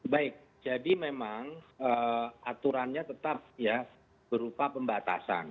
baik jadi memang aturannya tetap ya berupa pembatasan